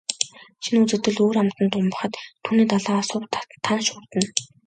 Шинэ үзэгдэл өөр амтанд умбахад түүний далайгаас сувд, тана шүүрдэнэ.